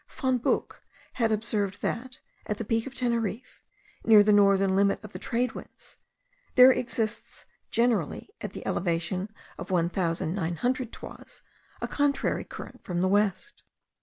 Von Buch had observed that, at the peak of Teneriffe, near the northern limit of the trade winds, there exists generally at the elevation of one thousand nine hundred toises, a contrary current from the west.